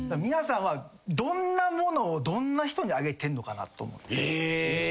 皆さんはどんなものをどんな人にあげてんのかなと思って。